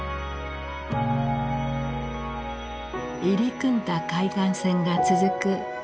入り組んだ海岸線が続く